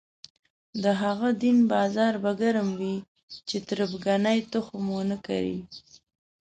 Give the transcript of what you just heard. د هغه دین بازار به ګرم وي چې تربګنۍ تخم ونه کري.